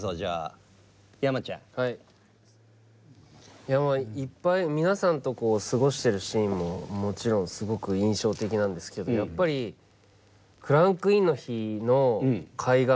いやまあいっぱい皆さんと過ごしてるシーンももちろんすごく印象的なんですけどやっぱりクランクインの日の海岸の１話の。